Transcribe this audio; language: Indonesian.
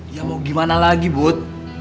ya mau gimana lagi bud